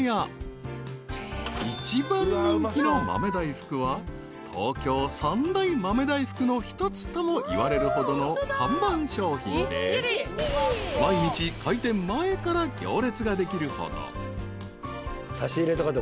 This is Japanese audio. ［一番人気の豆大福は東京三大豆大福の一つともいわれるほどの看板商品で毎日開店前から行列ができるほど］